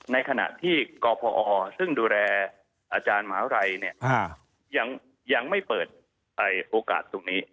ในขณะที่กพอซึ่งดูแลอาจารย์มหาวิทยาลัยยังไม่เปิดโอกาสตรงนี้